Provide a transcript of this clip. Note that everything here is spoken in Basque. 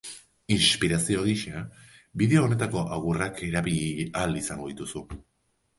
Inspirazio gisa, bideo honetako agurrak erabili ahal izango dituzu.